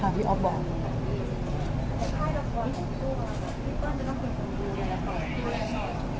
ค่ายละครพี่ตัวพี่ตัวจะนั่งคุยกันด้วยไหม